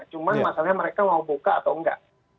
cuma masalahnya mereka mau buka atau enggak